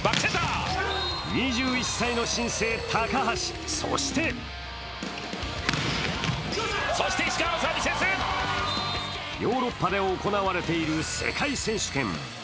２１歳の新星・高橋、そしてヨーロッパで行われている世界選手権。